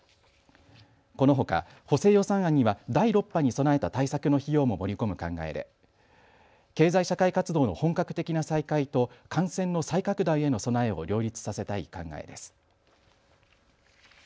このほか補正予算案には第６波に備えた対策の費用も盛り込む考えで経済社会活動の本格的な再開と感染の再拡大への備えを両立させたい考えです。